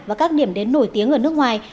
và các điểm đến nổi tiếng ở nước ngoài